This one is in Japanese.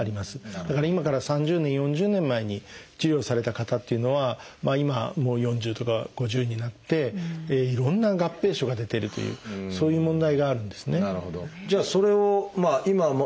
だから今から３０年４０年前に治療された方っていうのは今もう４０とか５０になっていろんな合併症が出てるというそういう問題があるんですね。